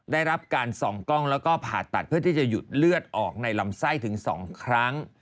ได้รับการส่องกล้องแล้วก็ผ่าตัดเพื่อที่จะหยุดเลือดออกในลำไส้ถึง๒ครั้ง